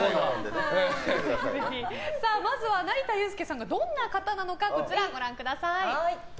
まずは成田悠輔さんがどんな方なのか、ご覧ください。